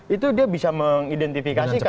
itu dia bisa mengidentifikasikan